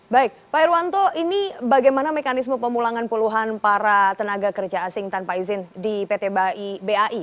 baik pak irwanto ini bagaimana mekanisme pemulangan puluhan para tenaga kerja asing tanpa izin di pt bai